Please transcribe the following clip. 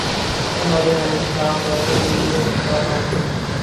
ہمارے ہاں انصاف اور جمہوریت کا حال۔